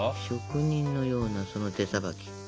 職人のようなその手さばき。